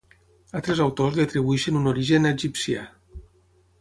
Altres autors li atribueixen un origen egipcià.